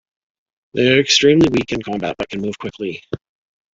They are extremely weak in combat, but can move quickly.